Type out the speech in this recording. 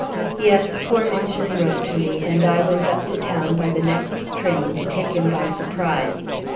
Yes, poor Minchin wrote to me, and I went up to town by the next train to take him by surprise.